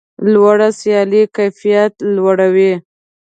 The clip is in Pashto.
لوړه سیالي کیفیت لوړوي.